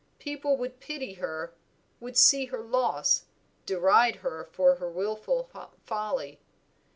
People would pity her, would see her loss, deride her wilful folly.